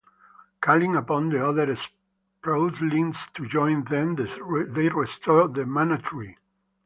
Calling upon the other Sproutlings to join them, they restore the Mana Tree.